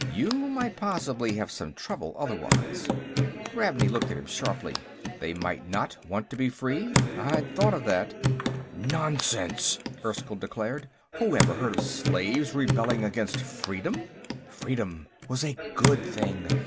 You might possibly have some trouble, otherwise." Ravney looked at him sharply. "They might not want to be free? I'd thought of that." "Nonsense!" Erskyll declared. "Who ever heard of slaves rebelling against freedom?" Freedom was a Good Thing.